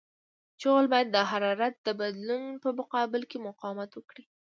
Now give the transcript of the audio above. جغل باید د حرارت د بدلون په مقابل کې مقاومت وکړي